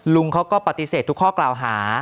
ลุงเขาก็ปฏิเสธทุกข้อกล่าวหา